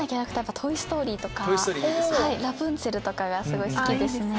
『トイ・ストーリー』とかラプンツェルとかがすごい好きですね。